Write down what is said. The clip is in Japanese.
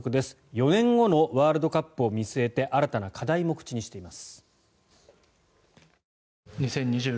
４年後のワールドカップを見据えて新たな課題も口にしています。